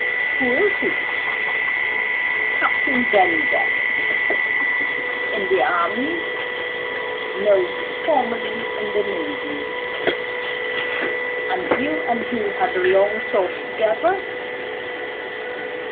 "Who is he?" "Captain Bennydeck." "In the army?" "No: formerly in the navy." "And you and he had a long talk together?"